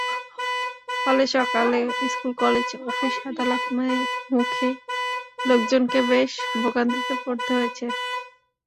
ফলে সকালে school, college, office, আদালতমুখী লোকজনকে বেশ ভোগান্তিতে পড়তে হয়েছে।